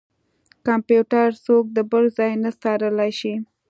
کمپيوټر څوک د بل ځای نه څارلی شي.